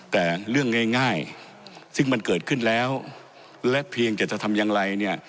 แต่เรื่องง่ายซึ่งมันเกิดขึ้นแล้วและเพียงแต่จะทำอย่างไรเนี่ย